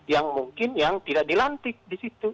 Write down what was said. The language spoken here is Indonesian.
yang mungkin yang tidak dilantik di situ